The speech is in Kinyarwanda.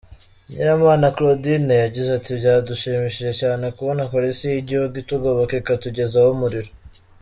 Nyiramana Claudine yagize ati “ Byadushimishije cyane kubona Polisi y’igihugu itugoboka ikatugezaho umuriro.